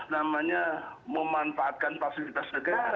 namanya memanfaatkan fasilitas negara